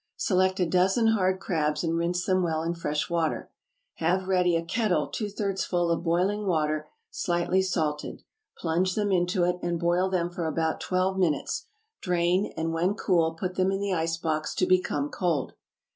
Select a dozen hard crabs, and rinse them well in fresh water. Have ready a kettle two thirds full of boiling water, slightly salted; plunge them into it, and boil them for about twelve minutes; drain, and when cool put them in the ice box to become cold.